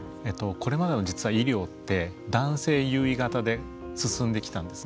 これまでの医療って男性優位型で進んできたんですね。